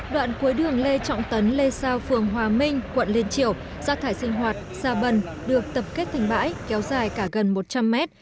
đoạn cuối đường lê trọng tấn lê sao phường hòa minh quận liên triệu rác thải sinh hoạt xa bần được tập kết thành bãi kéo dài cả gần một trăm linh mét